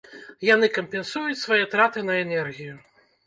Яны кампенсуюць свае траты на энергію.